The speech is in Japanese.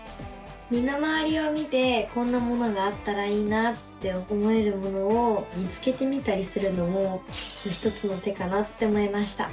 身の回りを見てこんなものがあったらいいなって思えるものを見つけてみたりするのも一つの手かなって思いました。